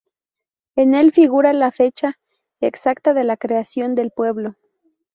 En el figura la fecha exacta de la creación del pueblo.